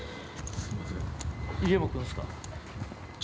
すいません。